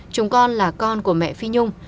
chúng con là con của mẹ phi nhung